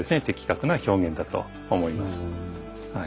的確な表現だと思います。